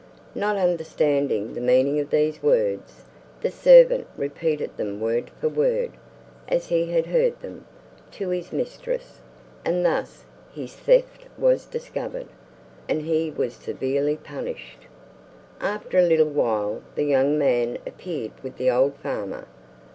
Not understanding the meaning of these words, the servant repeated them word for word, as he had heard them, to his mistress; and thus his theft was discovered, and he was severely punished. After a little while the young man appeared with the old farmer.